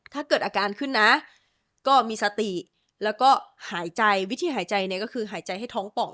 ถ้าเกิดอาการขึ้นนะก็มีสติแล้วก็หายใจวิธีหายใจเนี่ยก็คือหายใจให้ท้องป่อง